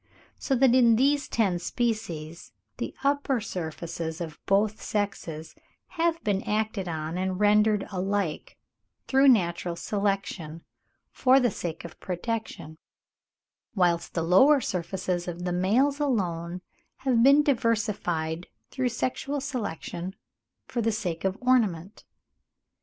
So that in these ten species the upper surfaces of both sexes have been acted on and rendered alike, through natural selection, for the sake of protection; whilst the lower surfaces of the males alone have been diversified, through sexual selection, for the sake of ornament.